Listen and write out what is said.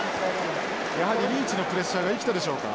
やはりリーチのプレッシャーが生きたでしょうか。